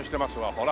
ほら。